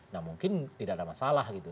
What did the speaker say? nah mungkin tidak ada masalah gitu